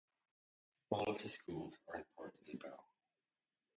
All of the schools are in Port Isabel.